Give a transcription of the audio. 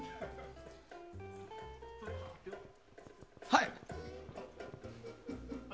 はい！